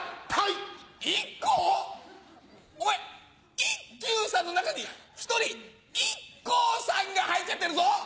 お前一休さんの中に１人ＩＫＫＯさんが入っちゃってるぞ！